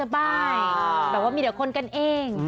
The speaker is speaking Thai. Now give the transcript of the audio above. แบบว่ามีเดี๋ยวคนกันเอง